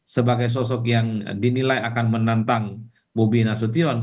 sebagai sosok yang dinilai akan menantang bobi nasution